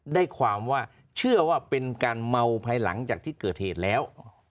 ได้ความว่าเชื่อว่าเป็นการเมาภายหลังจากที่เกิดเหตุแล้ว